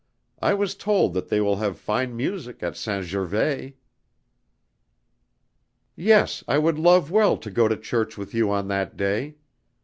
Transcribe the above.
I was told that they will have fine music at Saint Gervais!" "Yes, I would love well to go to church with you on that day.